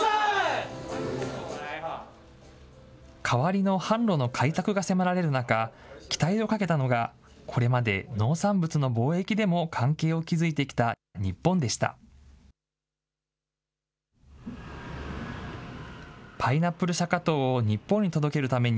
代わりの販路の開拓が迫られる中、期待をかけたのが、これまで農産物の貿易でも関係を築いてきた日本でした。